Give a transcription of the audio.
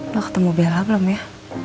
lo ketemu bella belum ya